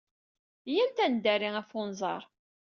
Iyyamt ad neddari ɣef unẓar.